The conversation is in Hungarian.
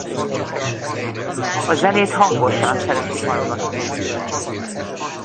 A zenét hangosan szereti hallgatni.